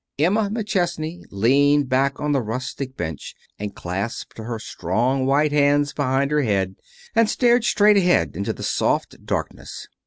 Emma McChesney leaned back on the rustic bench and clasped her strong, white hands behind her head, and stared straight ahead into the soft darkness.